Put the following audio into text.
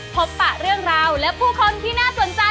ปะเรื่องราวและผู้คนที่น่าสนใจ